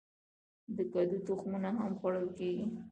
د کدو تخمونه هم خوړل کیږي.